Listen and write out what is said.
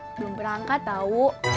belum berangkat tau